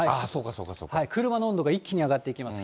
車の温度が一気に上がっていきます。